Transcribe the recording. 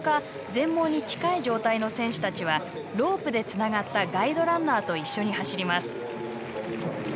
全盲に近い状態の選手たちはロープでつながったガイドランナーと一緒に走ります。